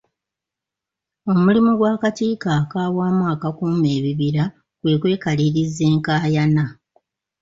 Omulimu gw'Akakiiko ak'Awamu Akakuuma Ebibira kwe kwekaliriza enkaayana.